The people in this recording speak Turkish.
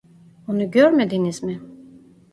Onu görmediniz mi?